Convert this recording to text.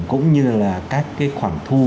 cũng như là các cái khoản thu